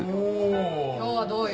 今日はどうよ。